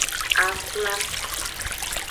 Axwla.